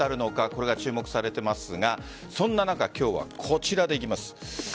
これが注目されていますがそんな中今日はこちらでいきます。